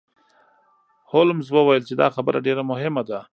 هولمز وویل چې دا خبره ډیره مهمه ده.